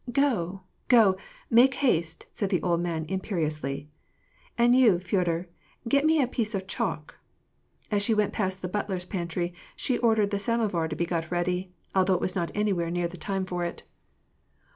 " Go, go, make haste," said the old man imperiously. " And you, Feodor, get me a piece of chalk." As she went past the butler's pantry, she ordered the sam ovar to be got ready, although it was not anywhere near the time for it.